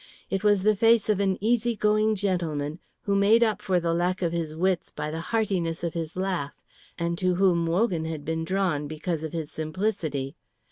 It was the face of an easy going gentleman who made up for the lack of his wit by the heartiness of his laugh, and to whom Wogan had been drawn because of his simplicity.